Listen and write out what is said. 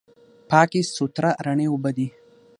پاکې، سوتره، رڼې اوبه دي.